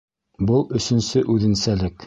Был өсөнсө үҙенсәлек.